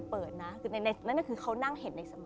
ปั้ง